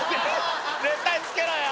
絶対つけろよ！